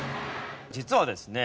実はですね